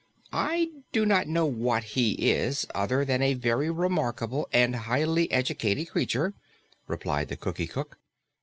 "I do not know what he is, other than a very remarkable and highly educated creature," replied the Cookie Cook.